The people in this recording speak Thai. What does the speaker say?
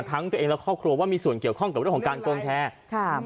ทั้งตัวเองและครอบครัวว่ามีส่วนเกี่ยวข้องกับเรื่องของการโกงแชร์ค่ะ